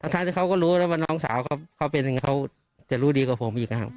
ท่านเขาก็รู้ว่าน้องสาวเค้าเป็นยังไงเขาจะรู้ดีกว่าผมอีกครับ